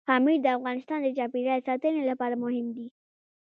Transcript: پامیر د افغانستان د چاپیریال ساتنې لپاره مهم دي.